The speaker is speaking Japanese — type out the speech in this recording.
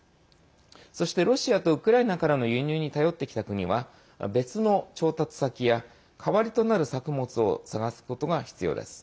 そしてロシアとウクライナからの輸入に頼ってきた国は別の調達先や代わりとなる作物を探すことが必要です。